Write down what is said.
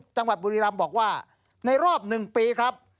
จังหวัดบุรีรำบอกว่าในรอบ๑ปีครับ